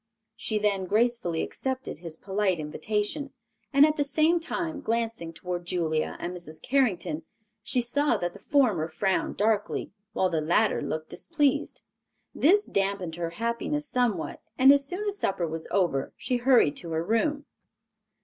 She then gracefully accepted his polite invitation, and at the same time glancing toward Julia and Mrs. Carrington, she saw that the former frowned darkly, while the latter looked displeased. This dampened her happiness somewhat, and as soon as supper was over she hurried to her room.